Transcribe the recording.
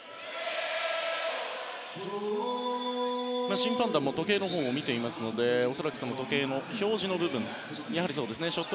審判団も時計を見ていますので恐らく時計の表示の部分ショット